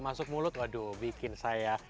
masuk mulut waduh bikin saya